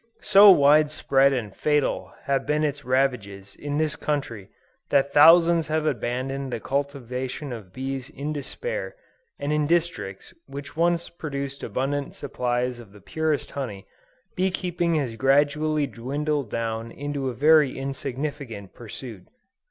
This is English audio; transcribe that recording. So wide spread and fatal have been its ravages in this country, that thousands have abandoned the cultivation of bees in despair, and in districts which once produced abundant supplies of the purest honey, bee keeping has gradually dwindled down into a very insignificant pursuit.